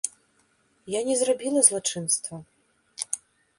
Я не зрабіла злачынства.